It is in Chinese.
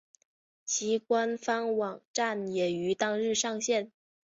其官方网站也于当日上线。